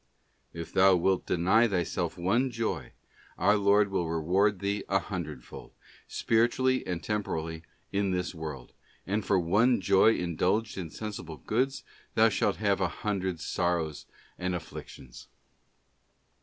If thou wilt deny thy self one joy, our Lord will reward thee a hundredfold, spiritually and temporally, in this world; and for one joy indulged in sensible goods thou shalt have a hundred sorrows and afflictions.